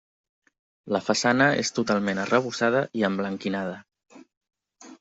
La façana és totalment arrebossada i emblanquinada.